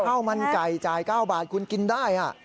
ข้าวมันไก่จ่าย๙บาทคุณกินได้